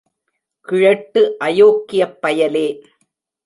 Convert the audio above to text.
கிழட்டு அயோக்கியப் பயலே!